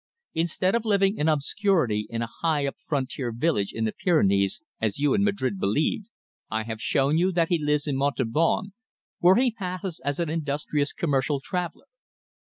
Instead of living in obscurity in a high up frontier village in the Pyrenees, as you in Madrid believed, I have shown you that he lives in Montauban, where he passes as an industrious commercial traveller.